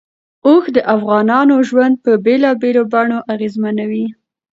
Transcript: اوښ د افغانانو ژوند په بېلابېلو بڼو اغېزمنوي.